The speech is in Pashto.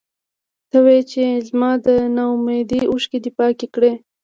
ته وې چې زما د نا اميدۍ اوښکې دې پاکې کړې.